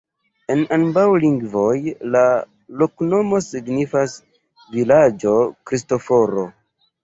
En ambaŭ lingvoj la loknomo signifas: vilaĝo Kristoforo.